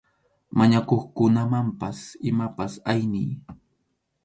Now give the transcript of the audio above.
Mañakuqkunamanpas imapas ayniy.